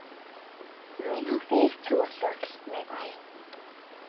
“Rwy'n hoffi'r tywyllwch,” meddai.